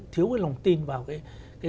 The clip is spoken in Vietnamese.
thiếu cái lòng tin vào cái